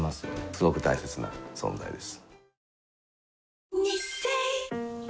すごく大切な存在です。